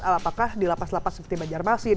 apakah di lapas lapas seperti banjarmasin